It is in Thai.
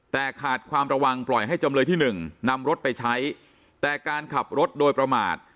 แต่ขาดความระวังปล่อยให้จำเลยที่หนึ่งนำรถไปใช้แต่การขับรถโดยประมาท